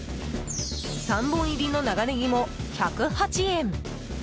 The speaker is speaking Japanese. ３本入りの長ネギも１０８円。